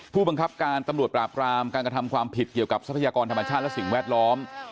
ผู้บังคับการตำรวจปราบรามการกระทำความผิดเกี่ยวกับทรัพยากรธรรมชาติและสิ่งแวดล้อม